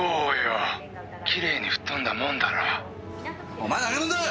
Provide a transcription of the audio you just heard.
お前何者だ！？